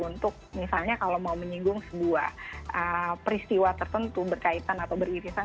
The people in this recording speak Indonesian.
untuk misalnya kalau mau menyinggung sebuah peristiwa tertentu berkaitan atau beririsan